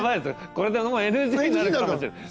これでＮＧになるかもしれない。